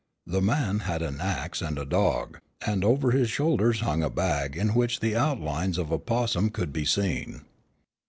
The man had an axe and a dog, and over his shoulders hung a bag in which the outlines of a 'possum could be seen.